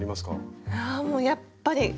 いやもうやっぱりこれ！